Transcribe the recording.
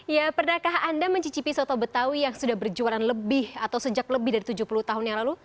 ya pernahkah anda mencicipi soto betawi yang sudah berjualan lebih atau sejak lebih dari tujuh puluh tahun yang lalu